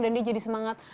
dan dia jadi semangat